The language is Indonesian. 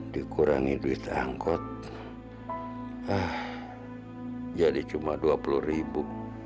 dikurangi duit angkot jadi cuma dua puluh ribu